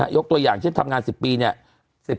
ยกตัวอย่างเช่นทำงาน๑๐ปีเนี่ย